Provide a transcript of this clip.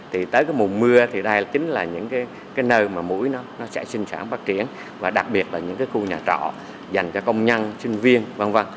tới mùa mưa đây chính là những nơi mũi sẽ sinh sản phát triển đặc biệt là những khu nhà trọ dành cho công nhân sinh viên v v